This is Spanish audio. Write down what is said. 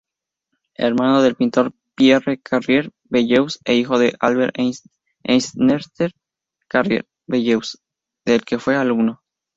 Hermano del pintor Pierre Carrier-Belleuse e hijo de Albert-Ernest Carrier-Belleuse del que fue alumno.